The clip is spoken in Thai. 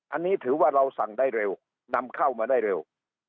อันนี้ถือว่าเราสั่งได้เร็วนำเข้ามาได้เร็ว